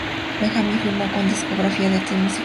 Benjamin firmó con la discográfica Ten Music Group.